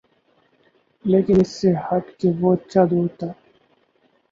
لیکن اس سے ہٹ کے وہ اچھا دور تھا۔